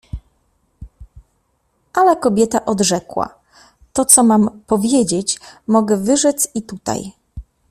Ale kobieta odrzekła: „To, co mam powiedzieć, mogę wyrzec i tutaj”.